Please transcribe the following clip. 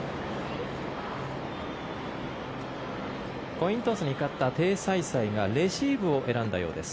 コイントスに勝ったテイ・サイサイがレシーブを選んだようです。